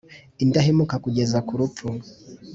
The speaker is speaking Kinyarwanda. Indahemuka kugeza ku rupfu